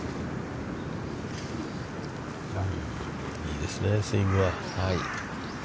いいですね、スイングは。